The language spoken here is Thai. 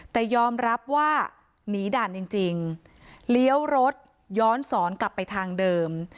แต่ยอมรับว่าหนีด่านจริงเลี้ยวรถย้อนสอนกลับไปทางเดิม